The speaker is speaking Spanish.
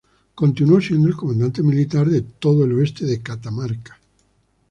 Continuó siendo el comandante militar de todo el oeste de Catamarca.